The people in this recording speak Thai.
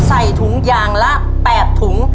ใส่ถุงยางละ๘ถุง